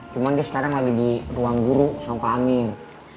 cuman dia sekarang lagi di ruang guru sama pak amir